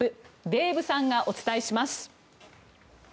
デーブさんがお伝えします。